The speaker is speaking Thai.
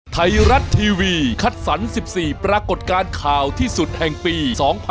ไทยรัฐทีวีคัดสรร๑๔ปรากฏการณ์ข่าวที่สุดแห่งปี๒๕๖๒